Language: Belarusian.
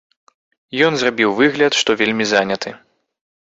Ён зрабіў выгляд, што вельмі заняты.